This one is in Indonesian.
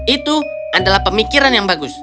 itu adalah pemikiran yang bagus